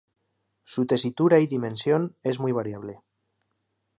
Su tesitura y dimensión es muy variable.